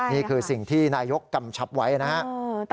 นี่คือสิ่งที่นายกกำชับไว้นะครับ